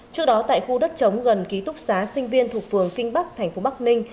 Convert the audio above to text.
trước đó tại khu đất chống gần ký túc xá sinh viên thuộc phường kinh bắc thành phố bắc ninh